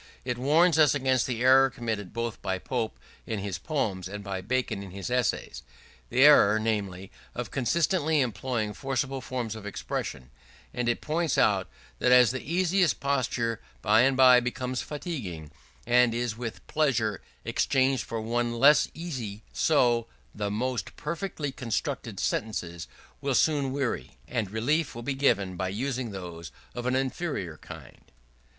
It warns us against the error committed both by Pope in his poems and by Bacon in his essays the error, namely, of constantly employing forcible forms of expression: and it points out that as the easiest posture by and by becomes fatiguing, and is with pleasure exchanged for one less easy, so, the most perfectly constructed sentences will soon weary, and relief will be given by using those of an inferior kind.